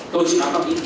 tôi chỉ nói thông minh